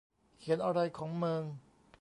เขียนอะไรของเมิง